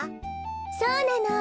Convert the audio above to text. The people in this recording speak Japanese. そうなの。